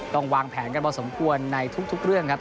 วางแผนกันพอสมควรในทุกเรื่องครับ